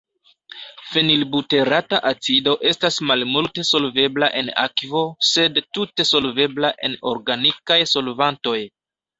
Fenilbuterata acido estas malmulte solvebla en akvo, sed tute solvebla en organikaj solvantoj.